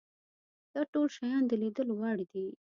دا ټول شیان د لیدلو وړ دي.